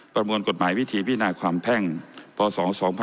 ประมวลกฎหมายวิธีพินาความแพ่งพศ๒๕๖๒